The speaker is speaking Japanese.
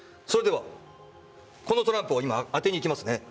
それでは、このトランプを今当てにいきますね。